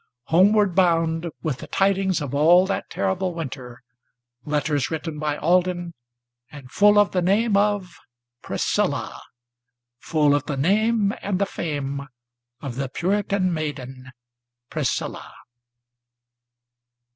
Homeward bound with the tidings of all that terrible winter, Letters written by Alden, and full of the name of Priscilla, Full of the name and the fame of the Puritan maiden Priscilla!